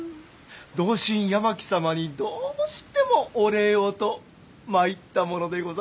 同心八巻様にどうしてもお礼をと参った者でございます。